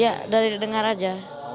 ya dari dengar aja